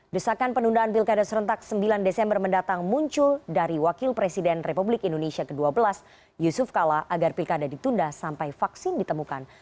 desakan penundaan pilkada serentak sembilan desember mendatang muncul dari wakil presiden republik indonesia ke dua belas yusuf kala agar pilkada ditunda sampai vaksin ditemukan